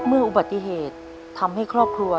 อุบัติเหตุทำให้ครอบครัว